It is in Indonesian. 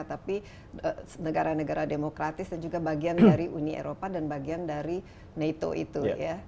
tapi negara negara demokratis dan juga bagian dari uni eropa dan bagian dari nato itu ya